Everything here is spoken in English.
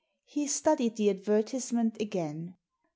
He studied the advertisement again.